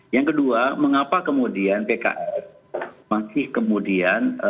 yang kedua mengapa kemudian pks masih kemudian